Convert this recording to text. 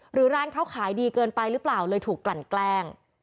ร้านเขาขายดีเกินไปหรือเปล่าเลยถูกกลั่นแกล้ง